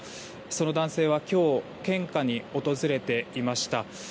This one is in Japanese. その男性は今日献花に訪れていました。